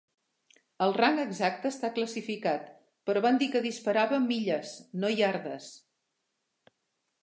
El rang exacte està classificat, però van dir que disparava "milles, no iardes".